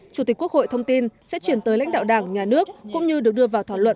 chủ tịch quốc hội thông tin sẽ chuyển tới lãnh đạo đảng nhà nước cũng như được đưa vào thỏa luận